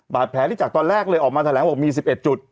แผลที่จากตอนแรกเลยออกมาแถลงบอกมี๑๑จุด